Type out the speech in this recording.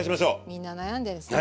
みんな悩んでるんすね。